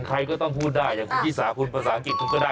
ใครก็ต้องพูดได้อย่างคุณชิสาพูดภาษาอังกฤษคุณก็ได้